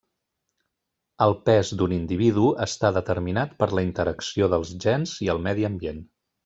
El pes d'un individu està determinat per la interacció dels gens i el medi ambient.